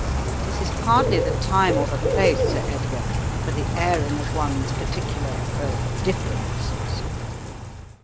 This is hardly the time or the place, Sir Edgar, for the airing of one's particular — er — differences.